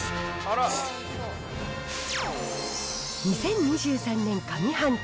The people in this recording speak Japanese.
２０２３年上半期、